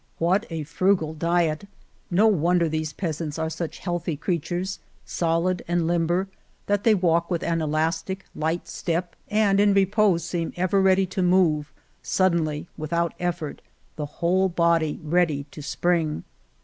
What a frugal diet ! No wonder these peasants are such healthy creat ures, solid and limber, that they walk with an elastic, light step and in repose seem ever ready to move, suddenly, without ef fort — the whole body ready to spring.